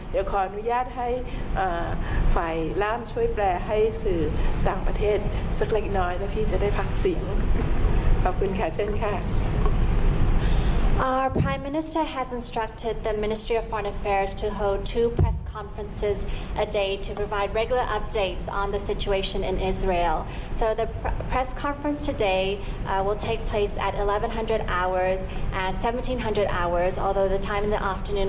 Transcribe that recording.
เดี๋ยวขออนุญาตให้ฝ่ายรามช่วยแปลให้สื่อต่างประเทศสักเล็กน้อยแล้วพี่จะได้พักสิน